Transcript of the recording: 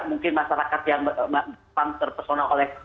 mungkin masyarakat yang terpesona oleh